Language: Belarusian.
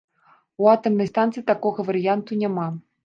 У атамнай станцыі такога варыянту няма.